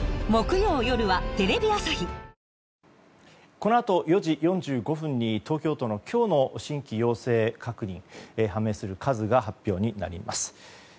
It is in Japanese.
このあと４時４５分に東京都の今日の新規陽性確認判明する数が発表になります。